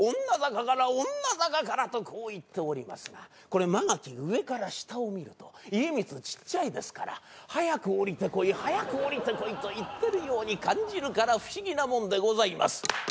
女坂から女坂からとこう言っておりますがこれ曲垣上から下を見ると家光ちっちゃいですから早く降りてこい早く降りてこいと言ってるように感じるから不思議なもんでございます。